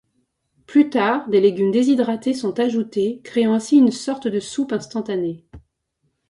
Plus tard, des légumes déshydratés sont ajoutés, créant ainsi une sorte de soupe instantanée.